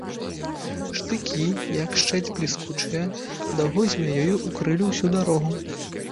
Штыкі, як шчэць бліскучая, даўгой змяёю ўкрылі ўсю дарогу.